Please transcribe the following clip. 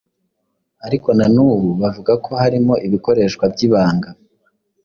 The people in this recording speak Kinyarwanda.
ariko na nubu bavuga ko harimo ibikoreshwa by’ibanga